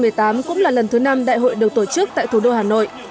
năm hai nghìn một mươi tám cũng là lần thứ năm đại hội được tổ chức tại thủ đô hà nội